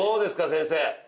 先生。